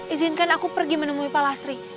izinkan aku pergi menemui pak lastri